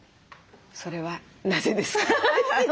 それはなぜですか？